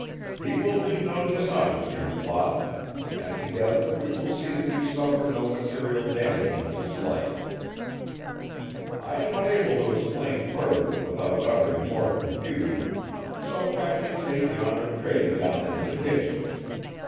He will do no dishonor to your cloth, and together we will see that you suffer no material damage in this life. I am unable to explain further without uttering more confusion, so kindly take yonder tray down into the kitchen.